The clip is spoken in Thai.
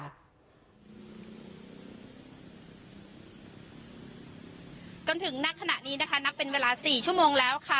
จนถึงนักขณะนี้นะคะนับเป็นเวลา๔ชั่วโมงแล้วค่ะ